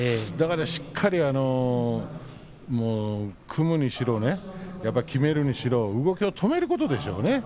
しっかりと組むにしろきめるにしろ動きを止めることでしょうね。